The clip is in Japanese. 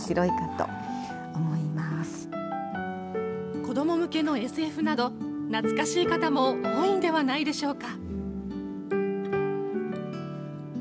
子ども向けのＳＦなど、懐かしい方も多いんではないでしょうか。